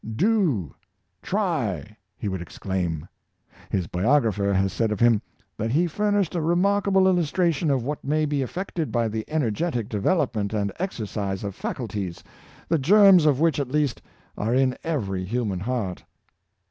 Do! Try! " he would exclaim. His biographer has said of him, that he furnished a remarkable illustration of what may be effected by the energetic development and exercise of faculties, the germs of which at least are in every hu man heart.